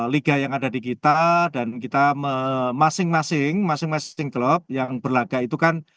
liga yang ada di kita dan kita masing masing masing klub yang berlagak itu kan